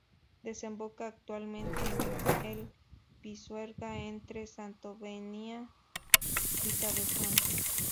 Desemboca actualmente en el Pisuerga entre Santovenia y Cabezón.